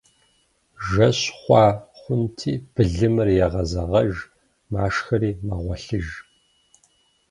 Жэщ хъуа хъунти, былымыр егъэзэгъэж, машхэри мэгъуэлъыж.